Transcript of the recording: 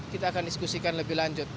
kita akan diskusikan lebih lanjut